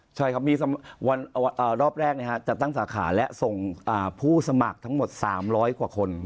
ใช่ครับมีรอบแรกจัดตั้งสาขาและส่งผู้สมัครทั้งหมด๓๐๐กว่าคน